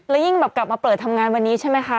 แล้วยิ่งแบบกลับมาเปิดทำงานวันนี้ใช่ไหมคะ